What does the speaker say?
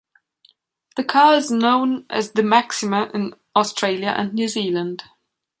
The car is known as the Maxima in Australia and New Zealand.